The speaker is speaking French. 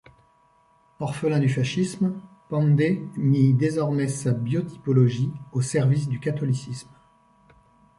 Orphelin du fascisme, Pende mit désormais sa biotypologie au service du catholicisme.